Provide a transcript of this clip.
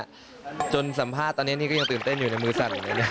รูปภาพตัวเนี่ยก็ยังตื่นเต้นอยู่แม้ฮะ